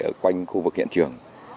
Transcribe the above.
ở quanh khu vực hiện trường